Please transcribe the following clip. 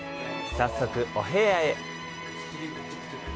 早速、お部屋へ。